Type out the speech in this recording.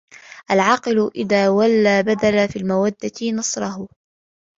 الْعَاقِلُ إذَا وَالَى بَذَلَ فِي الْمَوَدَّةِ نَصْرَهُ